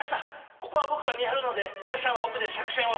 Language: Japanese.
ここは僕が見張るので皆しゃんは奥で作戦を。